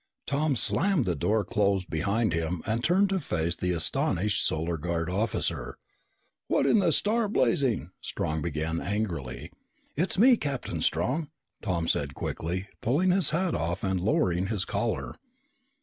Tom slammed the door closed behind him and turned to face the astonished Solar Guard officer. "What in the star blazing ?" Strong began angrily. "It's me, Captain Strong!" Tom said quickly, pulling his hat off and lowering his collar.